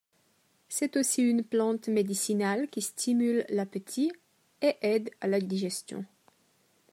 C'est aussi une plante médicinale qui stimule l'appétit et aide à la digestion.